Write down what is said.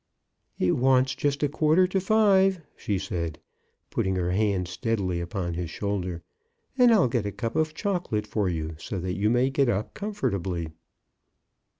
" It wants just a quarter to five," she said, putting her hand steadily upon his shoulder, " and I'll get a cup of chocolate for you, so that you may get up comfortably."